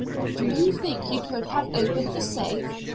"Do you think you could have opened the safe?